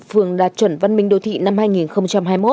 phường đạt chuẩn văn minh đô thị năm hai nghìn hai mươi một